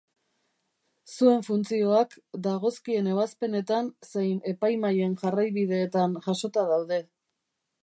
Zuen funtzioak, dagozkien ebazpenetan zein Epaimahaien Jarraibideetan jasota daude.